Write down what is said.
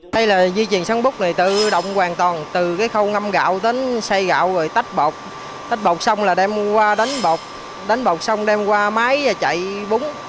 đây là duy trì sản phẩm này tự động hoàn toàn từ khâu ngâm gạo đến xay gạo rồi tách bọc tách bọc xong là đem qua đánh bọc đánh bọc xong đem qua máy và chạy búng